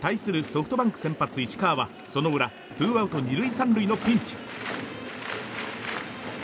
ソフトバンク先発、石川はその裏ツーアウト２塁３塁のピンチ。